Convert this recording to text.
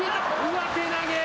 上手投げ。